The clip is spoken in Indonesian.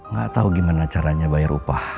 gak tau gimana caranya bayar upah